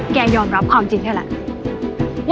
แกยอมรับความจริงที่แล้วล่ะ